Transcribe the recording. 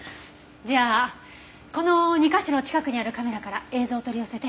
じゃあこの２カ所の近くにあるカメラから映像を取り寄せて。